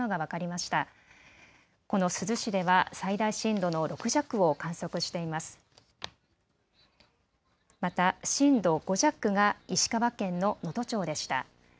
また震度５弱が石川県の能登町でした。